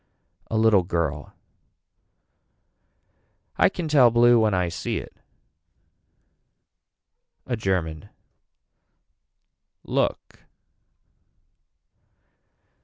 A little girl. I can tell blue when I see it. A German. Look.